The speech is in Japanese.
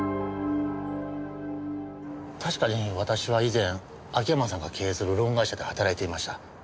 確かに私は以前秋山さんが経営するローン会社で働いていました。